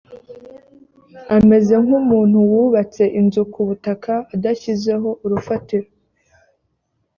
ameze nk umuntu wubatse inzu ku butaka adashyizeho urufatiro